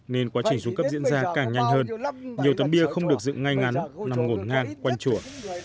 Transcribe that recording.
nên quá trình xuống cấp diễn ra càng nhanh hơn nhiều tấm bia không được dựng ngay ngắn nằm ngổn ngang quanh chùa